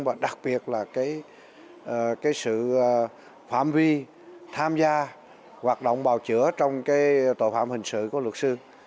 và đặc biệt là sự phạm vi tham gia hoạt động bào chữa trong tội phạm hình sự của luật sư